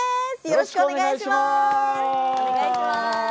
よろしくお願いします！